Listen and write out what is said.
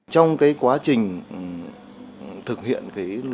trong quá trình thực hiện